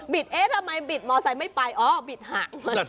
บิดเอเตอร์ทำไมบิดมอเซ็ดไม่ไปอ๋อบิดห่างมัน